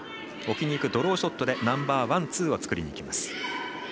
置きにいくドローショットでナンバーワン、ツーを作りにいきます。